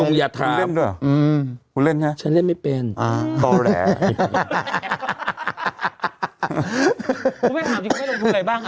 ครูแพทย์ถามที่ประชายชายว่าอะไรบ้าง